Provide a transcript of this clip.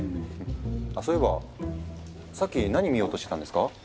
あそういえばさっき何見ようとしてたんですか？